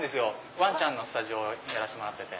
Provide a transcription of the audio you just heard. ワンちゃんのスタジオをやらせてもらってて。